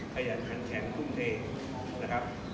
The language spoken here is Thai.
ขยันแข็งแข็งคุ้มเทนะครับ